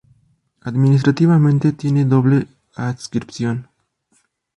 Administrativamente, tiene doble adscripción.